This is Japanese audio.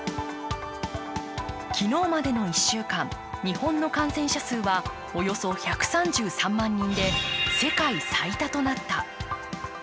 昨日までの１週間、日本の感染者数はおよそ１３３万人で、世界最多となった。